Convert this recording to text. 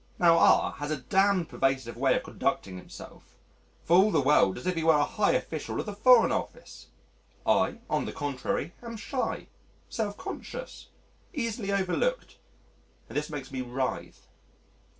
Now R has a damned pervasive way of conducting himself for all the world as if he were a high official of the Foreign Office. I, on the contrary, am shy, self conscious, easily overlooked, and this makes me writhe.